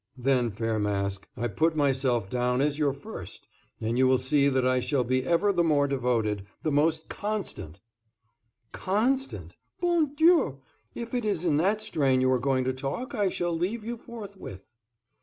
Then, fair Mask, I put myself down as your first, and you will see that I shall be ever the most devoted, the most constant " "Constant! Bon Dieu! If it is in that strain you are going to talk, I shall leave you forthwith."